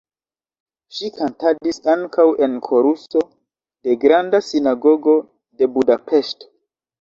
Ŝi kantadis ankaŭ en koruso de Granda Sinagogo de Budapeŝto.